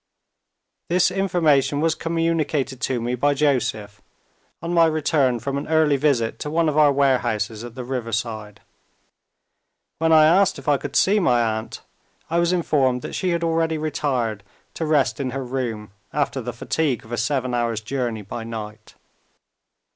This information was communicated to me by Joseph, on my return from an early visit to one of our warehouses at the riverside. When I asked if I could see my aunt, I was informed that she had already retired to rest in her room, after the fatigue of a seven hours' journey by night.